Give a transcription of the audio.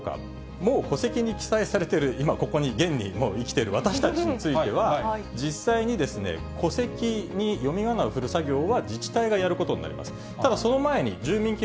そのほか、もう戸籍に記載されている今、ここに現に今、生きている私たちについては、実際に戸籍に読みがなをふる作業は自治体がやることになります。